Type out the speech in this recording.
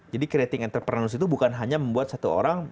jadi creating entrepreneurs itu bukan hanya membuat satu orang